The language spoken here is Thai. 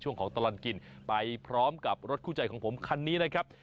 ของตลอดกินไปพร้อมกับรถคู่ใจของผมคันนี้นะครับ